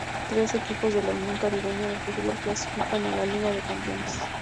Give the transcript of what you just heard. Tres equipos de la Unión Caribeña de Fútbol clasifican a la Liga de Campeones.